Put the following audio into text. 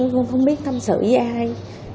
không biết thâm sự với ai